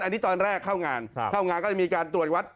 อันนี้ตอนแรกเข้างานเข้างานก็จะมีการตรวจวัด